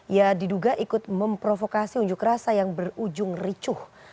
ia diduga ikut memprovokasi unjuk rasa yang berujung ricuh